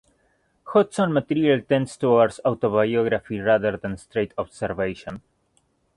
Hodgson's material tends towards autobiography rather than straight observation.